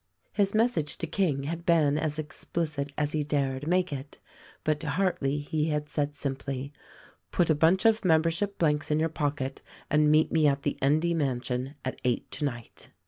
His message to King had been as explicit as he dared make it; but to Hartleigh he had said simply: 'Tut a bunch of membership blanks in your pocket and meet me at the Endy mansion at eight tonight."